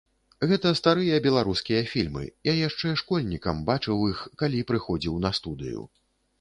Гэта старыя беларускія фільмы, я яшчэ школьнікам бачыў іх, калі прыходзіў на студыю.